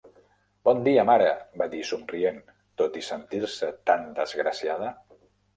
"Bon dia, mare" va dir somrient, tot i sentir-se tan desgraciada.